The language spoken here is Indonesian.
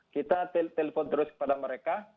kita telepon terus kepada mereka